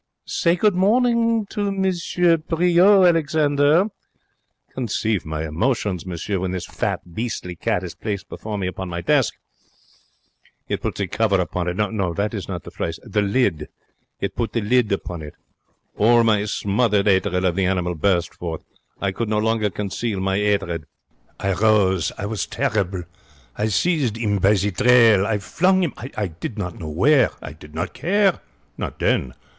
'Say good morning to M. Priaulx, Alexander.' Conceive my emotions, monsieur, when this fat, beastly cat is placed before me upon my desk! It put the cover upon it. No, that is not the phrase. The lid. It put the lid upon it. All my smothered 'atred of the animal burst forth. I could no longer conceal my 'atred. I rose. I was terrible. I seized 'im by the tail. I flung him I did not know where. I did not care. Not then.